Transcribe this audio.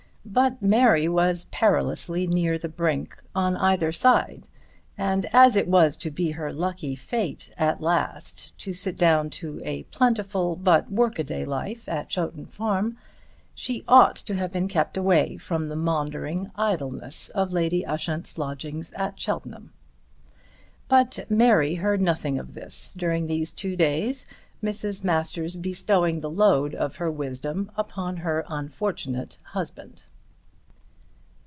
But Mary was perilously near the brink on either side, and as it was to be her lucky fate at last to sit down to a plentiful but work a day life at Chowton Farm she ought to have been kept away from the maundering idleness of Lady Ushant's lodgings at Cheltenham. But Mary heard nothing of this during these two days, Mrs. Masters bestowing the load of her wisdom upon her unfortunate husband.